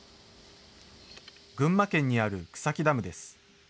群馬県にある草木ダムです。